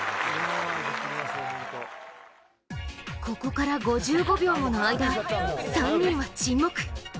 ここから５５秒もの間、３人は沈黙。